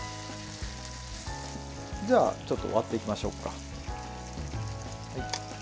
ちょっと割っていきましょうか。